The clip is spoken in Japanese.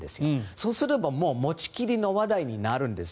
そうすれば持ち切りの話題になるんです。